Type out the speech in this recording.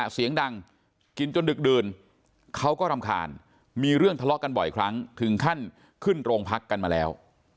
เสียงดังกินจนดึกดื่นเขาก็รำคาญมีเรื่องทะเลาะกันบ่อยครั้งถึงขั้นขึ้นโรงพักกันมาแล้ว